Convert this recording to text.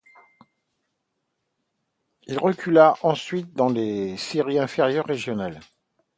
Il recula ensuite dans les séries inférieures régionales.